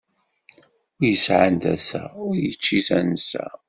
Win isɛan tasa, ur ičči tansa.